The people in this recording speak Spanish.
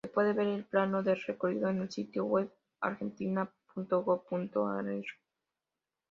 Se puede ver el plano del recorrido en el sitio web Argentina.gob.ar.